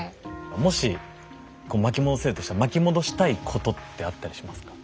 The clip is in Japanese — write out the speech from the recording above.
もしこう巻き戻せるとしたら巻き戻したいことってあったりしますか？